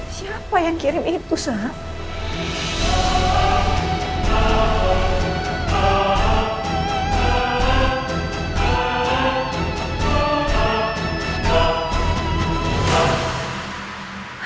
siapa yang kirim itu sama